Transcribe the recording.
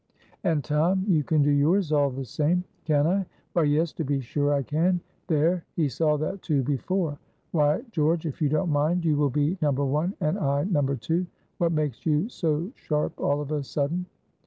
_ "And, Tom, you can do yours all the same." "Can I? Why, yes, to be sure I can. There, he saw that, too, before. Why, George, if you don't mind, you will be No. 1 and I No. 2. What makes you so sharp all of a sudden?"